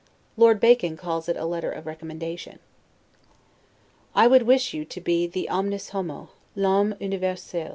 Lord Bacon calls it a letter of recommendation. I would wish you to be the omnis homo, 'l'homme universel'.